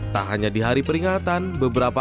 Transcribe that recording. tak hanya di hari peringatan beberapa